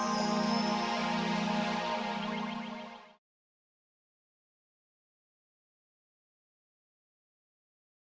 tidak ada apa apa